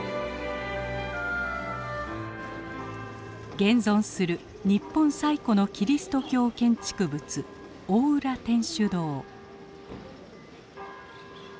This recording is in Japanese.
現存する日本最古のキリスト教建築物大浦天主堂。